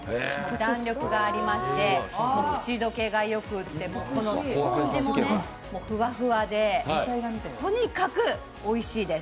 弾力がありまして口溶けがよくって、スポンジもふわふわで、とにかくおいしいです。